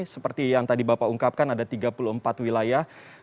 seperti yang tadi bapak ungkapkan ada tiga puluh empat wilayah